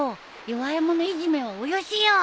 弱い者いじめはおよしよ。